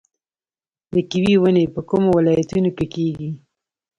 د کیوي ونې په کومو ولایتونو کې کیږي؟